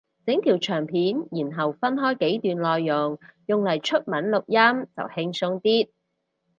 整條長片然後分開幾段內容用嚟出文錄音就輕鬆啲